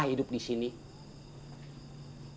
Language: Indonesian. gue tidakarian sih bang